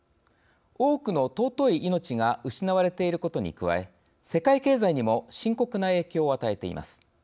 多くの尊い命が失われていることに加え世界経済にも深刻な影響を与えています。